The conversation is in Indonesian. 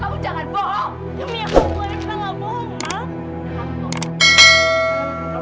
kamu jangan bohong